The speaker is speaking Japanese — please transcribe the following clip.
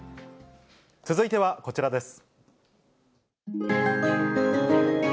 続いてはこちらです。